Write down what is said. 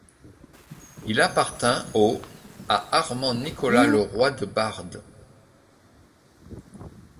Il appartint au à Armand Nicolas Leroy de Barde.